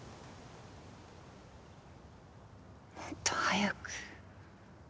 もっと早く